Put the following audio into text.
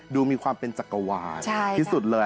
ดูมีความเป็นจักรวาลที่สุดเลย